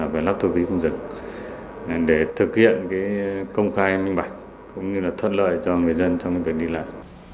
về lắp thu phí không dừng để thực hiện công khai minh bạch cũng như là thuận lợi cho người dân trong việc đi lại